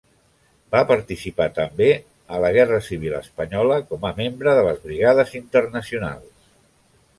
Va participar també en la Guerra Civil espanyola com a membre de les Brigades Internacionals.